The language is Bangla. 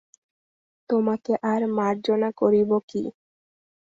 তোমাকে আর মার্জনা করিব কী?